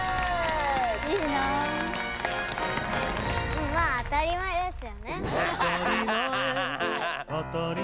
うんまあ当たり前ですよね。